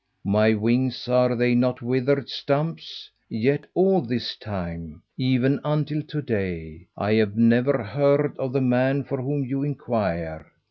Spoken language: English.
My wings, are they not withered stumps? Yet all this time, even until to day, I have never heard of the man for whom you inquire.